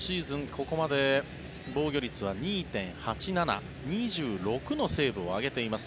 ここまで防御率は２．８７２６のセーブを挙げています。